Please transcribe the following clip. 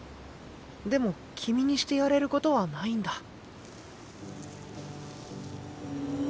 でも君にしてやれることはないんだ。